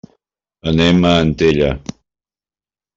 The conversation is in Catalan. Anem a Antella.